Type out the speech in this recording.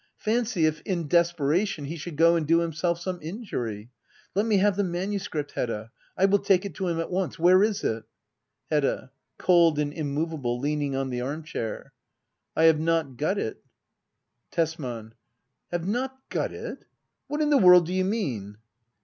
Fancy, if, in desperation, he should go and do himself some injury ! Let me have the manuscript, Hedda ! I will take it to him at once. Where is it ? Hedda. [Cold and immovable, leaning on the arm ckair.'] I have not got it. Tesman. Have not got it ? What in the world do you mean.